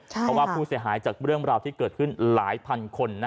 เพราะว่าผู้เสียหายจากเรื่องราวที่เกิดขึ้นหลายพันคน